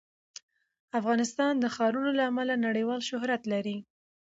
افغانستان د ښارونو له امله نړیوال شهرت لري.